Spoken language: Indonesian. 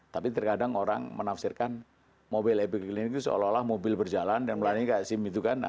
tapi terkadang orang menafsirkan mobil epicline itu seolah olah mobil berjalan dan melani kayak sim itu kan